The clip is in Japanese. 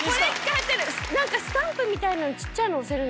何かスタンプみたいなちっちゃいの押せるんですよ。